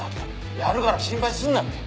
やるから心配すんなって。